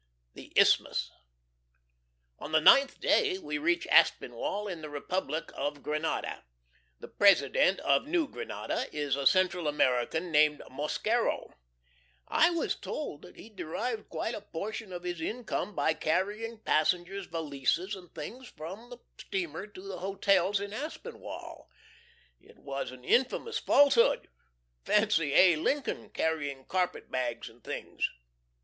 II. THE ISTHMUS. On the ninth day we reach Aspinwall in the Republic of Granada. The President of New Granada is a Central American named Mosquero. I was told that he derived quite a portion of his income by carrying passengers' valises and things from the steamer to the hotels in Aspinwall. It was an infamous falsehood. Fancy A. Lincoln carrying carpet bags and things!